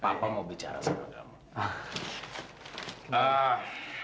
papa mau bicara sama kamu